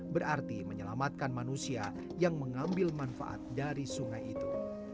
berarti menyelamatkan manusia yang mengambil manfaat dari sungai itu